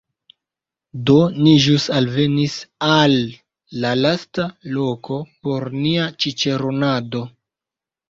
Do, ni ĵus alvenis al la lasta loko por nia ĉiĉeronado